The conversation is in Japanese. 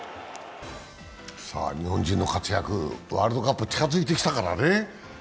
さあ、日本人の活躍、ワールドカップ近づいてきたからね。